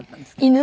犬？